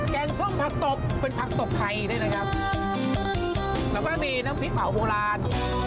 งส้มผักตบเป็นผักตบไทยด้วยนะครับแล้วก็มีน้ำพริกเผาโบราณ